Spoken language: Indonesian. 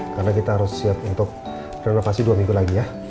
karena kita harus siap untuk renovasi dua minggu lagi ya